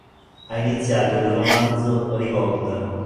Ha iniziato il romanzo "Rivolta".